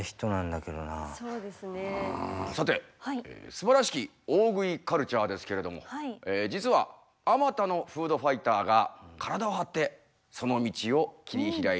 さてすばらしき大食いカルチャーですけれども実はあまたのフードファイターが体を張ってその道を切り開いてきました。